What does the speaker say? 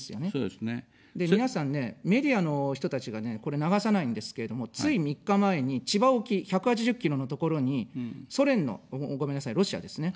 で、皆さんね、メディアの人たちがね、これ、流さないんですけれども、つい３日前に、千葉沖１８０ｋｍのところに、ソ連の、ごめんなさい、ロシアですね。